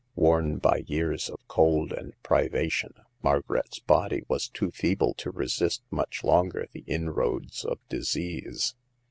Worn by years of cold and privation, Margaret's body was too feeble to resist much longer the inroads of disease.